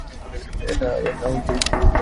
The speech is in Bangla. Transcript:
একা, বড় কেউ নেই।